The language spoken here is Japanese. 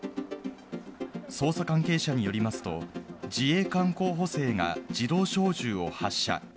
捜査関係者によりますと、自衛官候補生が自動小銃を発射。